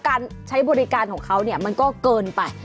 การใช้บริการของเขาเนี่ยมันก็เกินไป